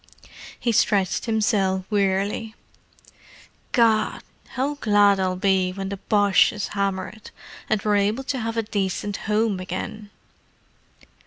He stretched himself wearily. "Gad! how glad I'll be when the Boche is hammered and we're able to have a decent home again!"